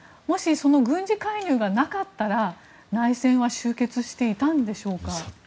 もし、その軍事介入がなかったら内戦は終結していたのでしょうか。